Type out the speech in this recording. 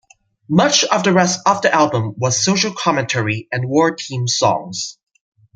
Much of the rest of the album was social commentary and war-themed songs.